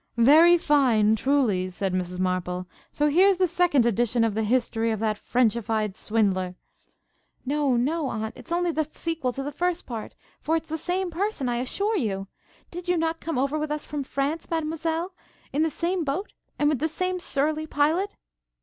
'Very fine, truly!' said Mrs Maple: 'So here's just the second edition of the history of that frenchified swindler!' 'No, no, Aunt; it's only the sequel to the first part, for it's the same person, I assure you. Did not you come over with us from France, Mademoiselle? In the same boat? and with the same surly pilot?'